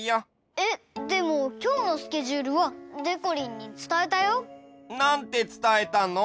えっでもきょうのスケジュールはでこりんにつたえたよ。なんてつたえたの？